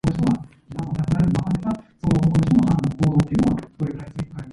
When Jimmy was small, he pronounced her name "Go Go", a nickname which stuck.